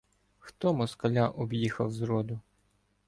Хто москаля об'їхав зроду?